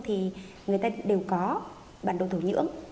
thì người ta đều có bản đồ thủ nhưỡng